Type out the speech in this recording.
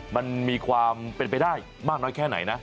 มันมีความเป็นไปได้มากน้อยแค่ไหนนะ